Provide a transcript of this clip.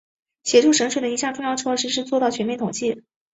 协助省水的一项重要措施是做到全面统计。